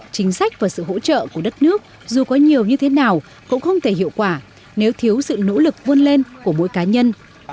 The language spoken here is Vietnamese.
chính sách và sự hỗ trợ của đất nước dù có nhiều như thế nào cũng không thể hiệu quả nếu thiếu sự nỗ lực vươn lên của mỗi cá nhân